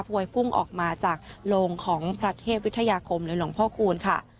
วยพุ่งออกมาจากโรงของพระเทพวิทยาคมหรือหลวงพ่อคูณค่ะ